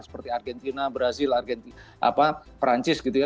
seperti argentina brazil perancis gitu ya